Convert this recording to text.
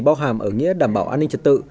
bao hàm ở nghĩa đảm bảo an ninh trật tự